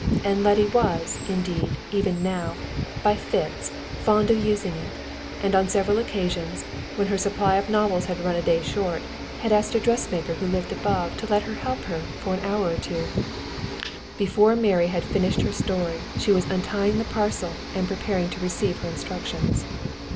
And Letty was, indeed, even now, by fits, fond of using it; and on several occasions, when her supply of novels had for a day run short, had asked a dressmaker who lived above to let her help her for an hour or two: before Mary had finished her story, she was untying the parcel, and preparing to receive her instructions.